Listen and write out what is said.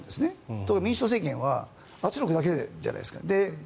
ところが民主党政権は圧力だけじゃないですか。